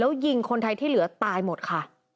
แล้วยิงคนไทยที่เหลือตายหมดค่ะ